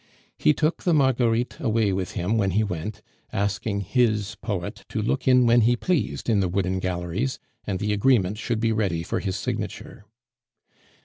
He took the Marguerites away with him when he went, asking his poet to look in when he pleased in the Wooden Galleries, and the agreement should be ready for his signature.